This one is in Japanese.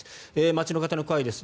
街の方の声です。